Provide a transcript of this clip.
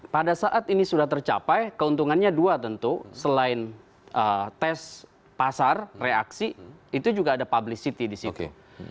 pada saat ini sudah tercapai keuntungannya dua tentu selain tes pasar reaksi itu juga ada publicity di situ